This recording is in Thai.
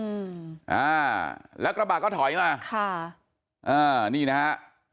อืมอ่าแล้วกระบะก็ถอยมาค่ะอ่านี่นะฮะ